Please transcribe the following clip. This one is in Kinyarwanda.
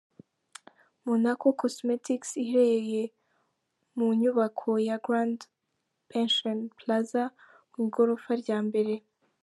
Monaco Cosmetics iherereye mu nyubako ya Grand Pansion Plaza mu igorofa rya mbere.